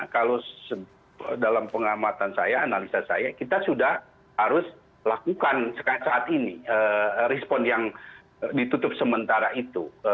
kalau dalam pengamatan saya analisa saya kita sudah harus lakukan saat ini respon yang ditutup sementara itu